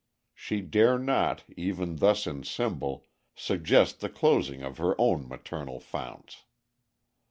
She dare not, even thus in symbol, suggest the closing of her own maternal founts.